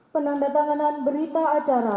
penanda tanganan berita acara